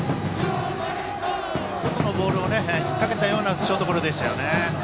外のボールを引っ掛けたようなショートゴロでしたよね。